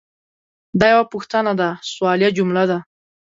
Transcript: دا یوه پوښتنه ده – سوالیه جمله ده.